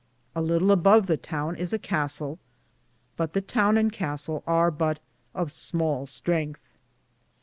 A litle a bove the towne is a castle, but the towne and Castele ar but of smale strength.